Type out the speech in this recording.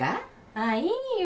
ああいいよ。